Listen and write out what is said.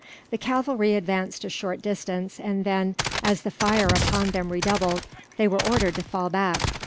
The cavalry advanced a short distance and then, as the fire upon them redoubled, they were ordered to fall back.